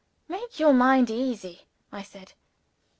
"Make your mind easy," I said.